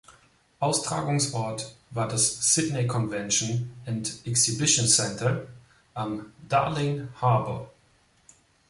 Austragungsort war das "Sydney Convention and Exhibition Centre" am Darling Harbour.